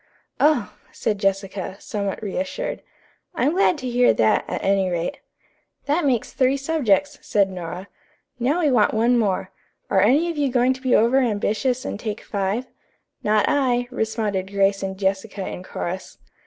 "Oh," said Jessica, somewhat reassured, "I'm glad to hear that, at any rate." "That makes three subjects," said Nora. "Now we want one more. Are any of you going to be over ambitious and take five?" "Not I," responded Grace and Jessica in chorus.